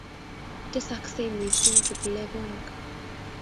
tesaksei mising kiplekonik